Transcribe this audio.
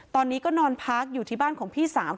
ตอนนี้ก็นอนพักอยู่ที่บ้านของพี่สาว